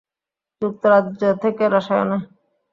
যুক্তরাজ্য থেকে রসায়নে।